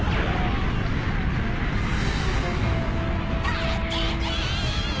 助けて！